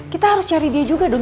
kita harus cari dia juga dong